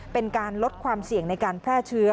เป็นการลดความเสี่ยงในการแพร่เชื้อ